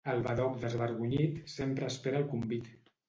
El badoc desvergonyit sempre espera el convit.